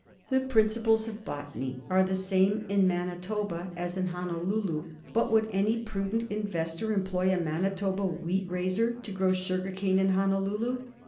The principles of botany are the same in Manitoba and in Honolulu; but would any prudent investor employ a Manitoba wheat raiser to grow sugar cane in Honolulu?